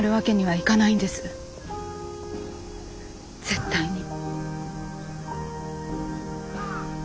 絶対に。